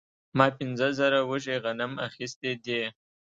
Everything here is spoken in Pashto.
ما پنځه زره وږي غنم اخیستي دي